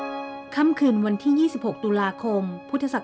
มีความอาฬัยและน้อมส่งเสด็จในหลวงรัชกาลที่๙สู่สวงสวรรค์ที่พยาวิทยาลักษมณฑ์